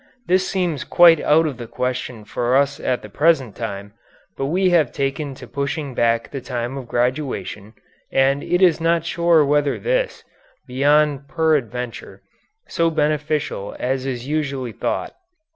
This seems quite out of the question for us at the present time, but we have taken to pushing back the time of graduation, and it is not sure whether this is, beyond peradventure, so beneficial as is usually thought.